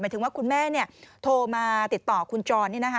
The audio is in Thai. หมายถึงคุณแม่โทรมาติดต่อคุณจร